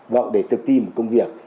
và để tự tìm công việc